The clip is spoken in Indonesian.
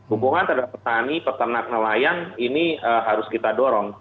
hubungan terhadap petani peternak nelayan ini harus kita dorong